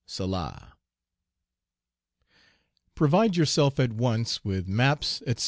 Selah! Provide yourself at once with maps, etc.